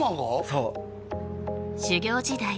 そう修業時代